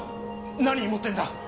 何持ってんだ！？